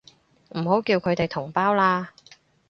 唔好叫佢哋同胞啦